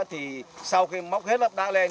thì sau khi móc hết lớp đá lên